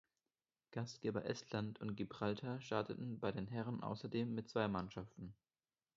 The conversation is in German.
Gastgeber Estland und Gibraltar starteten bei den Herren außerdem mit zwei Mannschaften.